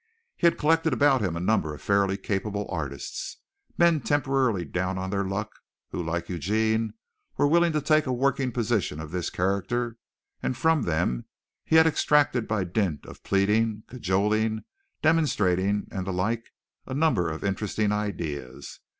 He had collected about him a number of fairly capable artists men temporarily down on their luck who like Eugene were willing to take a working position of this character, and from them he had extracted by dint of pleading, cajoling, demonstrating and the like a number of interesting ideas.